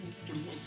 itu yang perlu